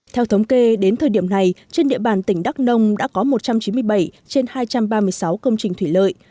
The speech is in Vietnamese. theo thống kê đến thời điểm này trên địa bàn tỉnh đắk nông đã có một trăm chín mươi bảy trên hai trăm ba mươi sáu công trình thủy lợi